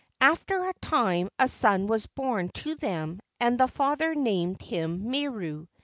After a time a son was born to them and the father named him Miru.